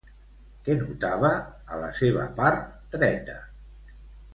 Què notava a la seva part dreta?